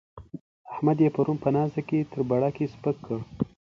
احمد يې پرون په ناسته کې تر بڼکې سپک کړ.